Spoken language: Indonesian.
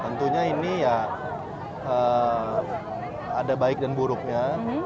tentunya ini ya ada baik dan buruknya